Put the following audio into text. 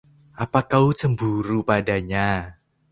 Apa kau cemburu padanya?